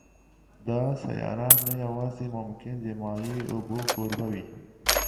دا سیاره نه یوازې ممکن د مایع اوبو کوربه وي